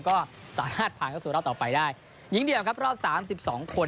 ก็สามารถผ่านเข้าสู่รอบต่อไปได้หญิงเดียวครับรอบสามสิบสองคน